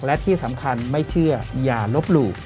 และที่สำคัญไม่เชื่ออย่าลบหลู่